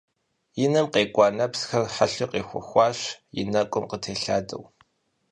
И нэм къекӏуа нэпсхэр, хьэлъэу къехуэхащ, и нэкӏум къытелъадэу.